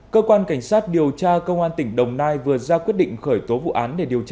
cơ quan cảnh sát điều tra công an tỉnh đồng nai vừa ra quyết định khởi tố vụ án